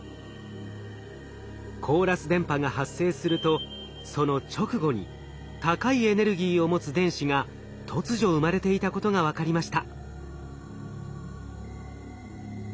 コーラス電波が発生するとその直後に高いエネルギーを持つ電子が突如生まれていたことが分かりました。